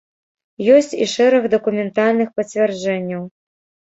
Ёсць і шэраг дакументальных пацвярджэнняў.